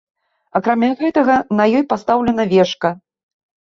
Акрамя гэтага, на ёй пастаўлена вежка.